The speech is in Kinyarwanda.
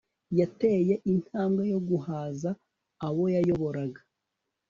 yateye intambwe yo guhaza abo yayoboraga